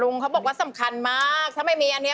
นี่เอาไว้ทำอะไรนี่